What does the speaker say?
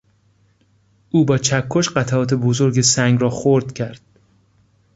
او با چکش قطعات بزرگ سنگ را خرد کرد.